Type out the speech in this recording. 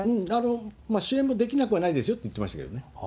まあ、主演もできなくはないですよと言ってましたけどね。